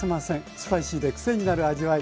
スパイシーでクセになる味わい。